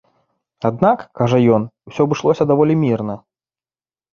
Аднак, кажа ён, усё абышлося даволі мірна.